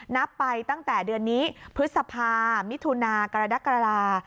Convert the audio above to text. นับไปตั้งแต่เดือนนี้พฤษภามิถุนากรกรา